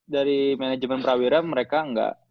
dari manajemen prawira mereka nggak